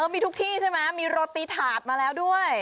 มีทุกที่ใช่ไหมมีโรตีถาดมาแล้วด้วย